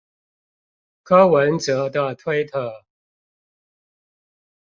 柯文哲的推特